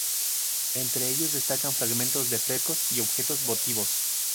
Entre ellos destacan fragmentos de frescos y objetos votivos.